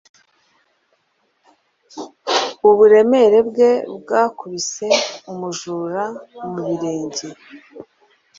uburemere bwe bwakubise umujura mu birenge